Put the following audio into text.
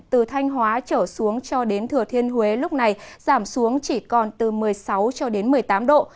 từ thanh hóa trở xuống cho đến thừa thiên huế lúc này giảm xuống chỉ còn từ một mươi sáu cho đến một mươi tám độ